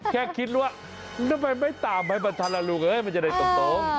แค่คิดว่าทำไมไม่ตามให้มันทันละลุงมันจะได้ตรง